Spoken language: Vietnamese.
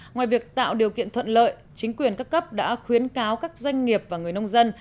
ngoài việc tạo điều kiện thuận lợi chính quyền các cấp đã khuyến cáo các doanh nghiệp và người nông dân